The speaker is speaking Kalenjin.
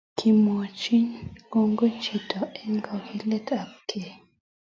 Kimwachi kongoi jichoto eng kakilet ab eki.